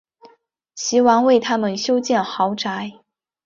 齐王为他们修建豪宅。